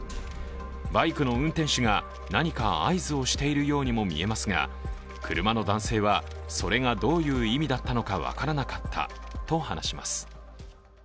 バイクの運転手が何か合図しているようにも見えますが、車の男性はそれがどういう意味だったのか分からなかったと話します。